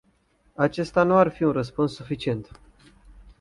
Acesta nu ar fi un răspuns suficient.